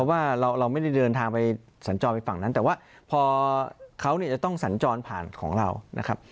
ว่าเราไม่ได้เดินทางไปสัญจรไปฝั่งนั้นแต่ว่าพอเขาเนี่ยจะต้องสัญจรผ่านของเรานะครับ